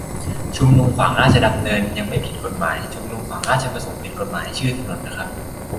ชุมนุมขวางราชดำเนิน ยังไม่ผิดกฎหมาย ชุมนุมขวางราชประสงค์ ผิดกฎหมาย ชื่อถนนนะครับ